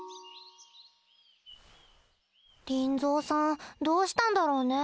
リンゾーさんどうしたんだろうね。